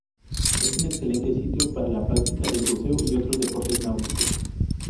Es un excelente sitio para la práctica del buceo y otros deportes náuticos.